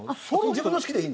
自分の好きでいい。